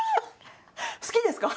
好きですか？